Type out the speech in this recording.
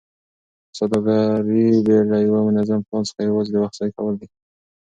سوداګري بې له یوه منظم پلان څخه یوازې د وخت ضایع کول دي.